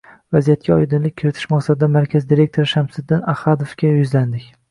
Vaziyatga oydinlik kiritish maqsadida markaz direktori Shamsiddin Ahadovga yuzlandik